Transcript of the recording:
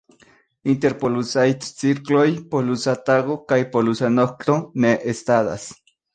Inter polusaj cirkloj polusa tago kaj polusa nokto ne estadas.